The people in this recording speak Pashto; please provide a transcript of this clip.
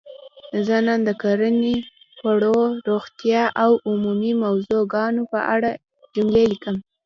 زه نن د کرنې ؛ خوړو؛ روغتیااو عمومي موضوع ګانو په اړه جملې لیکم.